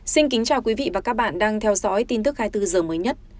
xin kính chào quý vị và các bạn đang theo dõi tin tức hai mươi bốn h mới nhất